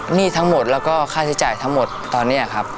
หนี้ทั้งหมดแล้วก็ค่าใช้จ่ายทั้งหมดตอนนี้ครับ